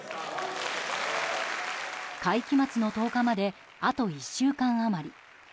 会期末の１０日まであと１週間余り。